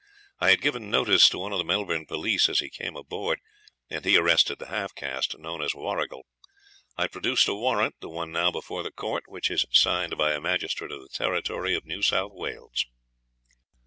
I had given notice to one of the Melbourne police as he came aboard, and he arrested the half caste, known as Warrigal. I produced a warrant, the one now before the court, which is signed by a magistrate of the territory of New South Wales.'